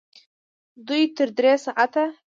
دوه تر درې ساعته